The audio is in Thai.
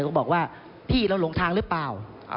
ก็บอกว่าพี่เราหลงทางหรือเปล่า